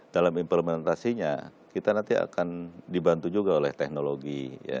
dalam implementasinya kita nanti akan dibantu juga oleh teknologi